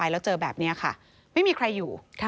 แล้วเจอแบบนี้ค่ะไม่มีใครอยู่